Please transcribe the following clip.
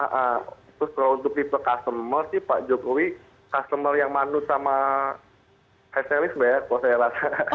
terus kalau untuk tipe customer sih pak jokowi customer yang mandu sama heselis banyak kok saya rasa